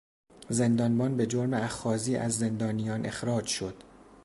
زندانبان به جرم اخاذی از زندانیان اخراج شد.